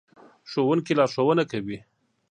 ښوونکي لارښوونه کوي.